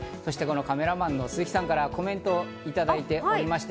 カメラマンの鈴木さんからコメントをいただいております。